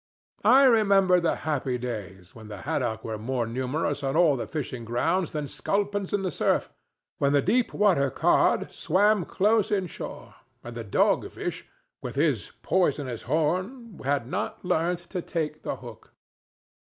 I remember the happy days when the haddock were more numerous on all the fishing grounds than sculpins in the surf—when the deep water cod swam close in shore, and the dogfish, with his poisonous horn, had not learnt to take the hook.